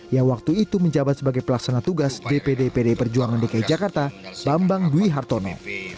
yang waktu itu menjabat sebagai pelaksana tugas dpd pdi perjuangan dki jakarta bambang dwi hartono